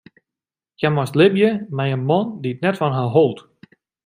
Hja moast libje mei in man dy't net fan har hold.